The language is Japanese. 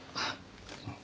うん。